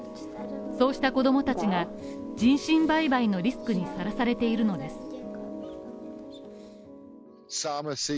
そうした子供たちが人身売買のリスクにさらされているのです。